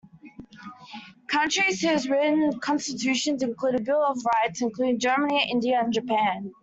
Countries whose written constitutions include a bill of rights include Germany, India and Japan.